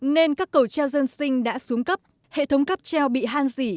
nên các cầu treo dân sinh đã xuống cấp hệ thống cấp treo bị han rỉ